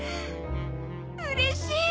うれしい！